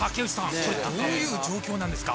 これどういう状況なんですか？